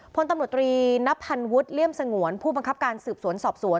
พลตำรวจตรีนับพันวุฒิเลี่ยมสงวนผู้บังคับการสืบสวนสอบสวน